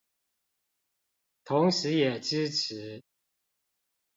同時也支持